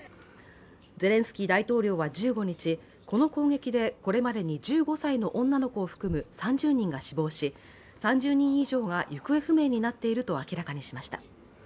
ゼレンスキー大統領は１５日、この攻撃でこれまでに１５歳の女の子を含む３０人が死亡し、３０人以上が行方不明になっていると明らかにしました。